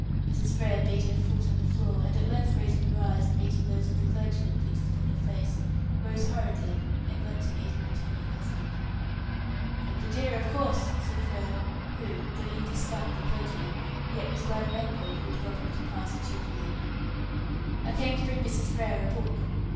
Mrs. Frere beat her foot on the floor, and at length, raising her eyes, and meeting those of the clergyman fixed upon her face, rose hurriedly, and went to meet her returning husband. "Come to dinner, of course!" said Frere, who, though he disliked the clergyman, yet was glad of anybody who would help him to pass a cheerful evening. "I came to bring Mrs. Frere a book."